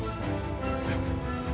えっ